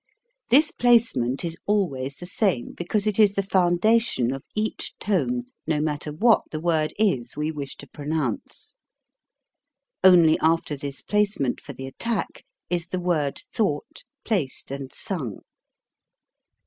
This placement is always the same because it is the foundation of each tone no matter what the word is we wish to pro nounce. Only after this placement for the attack is the word thought, placed, and sung.